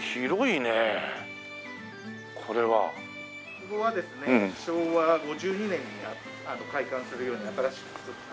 ここはですね昭和５２年に開館するように新しく造った。